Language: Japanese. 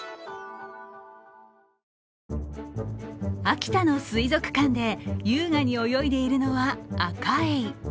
秋田の水族館で優雅に泳いでいるのはアカエイ。